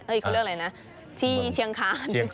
อีกคือเรื่องอะไรนะที่เชียงคาน